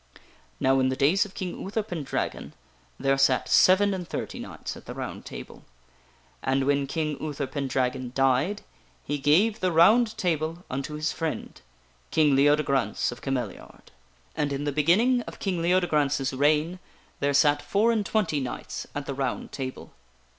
" Now, in the days of King Uther Pendragon, there sat seven and thirty knights at the ROUND TABLE. And when King Uther Pendragon died, he gave the ROUND TABLE unto his friend, King Leodegrance of Came liard. " And in the beginning of King Leodegrance's reign, there sat four and twenty knights at the ROUND TABLE.